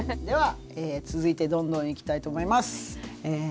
では続いてどんどんいきたいと思います。